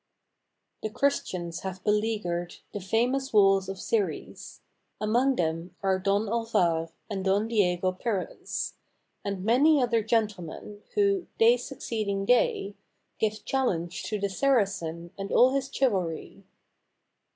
] The Christians have beleaguered the famous walls of Xeres, Among them are Don Alvar and Don Diego Perez, And many other gentlemen, who, day succeeding day, Give challenge to the Saracen and all his chivalry.